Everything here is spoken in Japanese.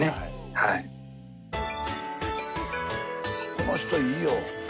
この人いいよ。